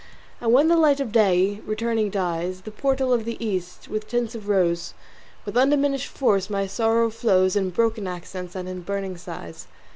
And when the light of day returning dyes The portals of the east with tints of rose, With undiminished force my sorrow flows In broken accents and in burning sighs.